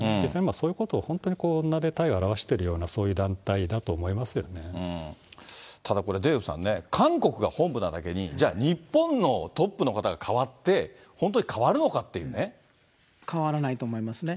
そういうことを本当に名で体を表しているような、そういう団体だただこれ、デーブさんね、韓国が本部なだけに、じゃあ、日本のトップの方がかわって、変わらないと思いますね。